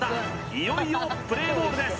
いよいよプレイボールです